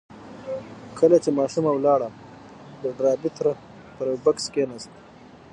کله چې ماشومه ولاړه د ډاربي تره پر يوه بکس کېناست.